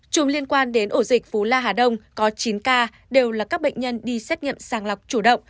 chùm liên quan đến ổ dịch cú la hà đông có chín ca đều là các bệnh nhân đi xét nghiệm sàng lọc chủ động